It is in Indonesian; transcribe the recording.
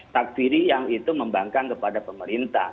takfiri yang itu membangkang kepada pemerintah